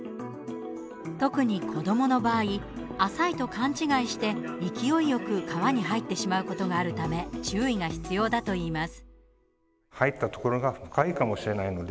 特に子どもの場合浅いと勘違いして勢いよく川に入ってしまうことがあるため注意が必要だといいます。